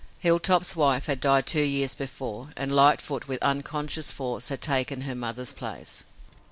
Hilltop's wife had died two years before, and Lightfoot, with unconscious force, had taken her mother's place.